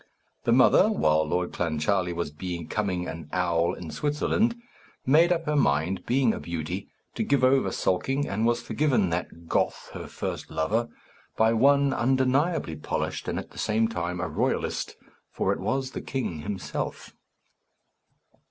The mother, while Lord Clancharlie was becoming an owl in Switzerland, made up her mind, being a beauty, to give over sulking, and was forgiven that Goth, her first lover, by one undeniably polished and at the same time a royalist, for it was the king himself.